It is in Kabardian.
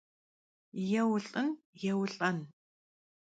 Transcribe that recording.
Yêulh'ın, yêulh'en.